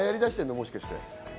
もしかして。